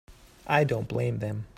I don't blame them.